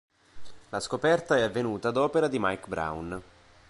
La scoperta è avvenuta ad opera di Mike Brown.